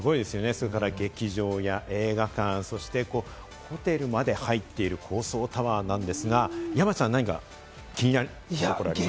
それから劇場や映画館、そしてホテルまで入ってる高層タワーなんですが、山ちゃん、気になるところありました？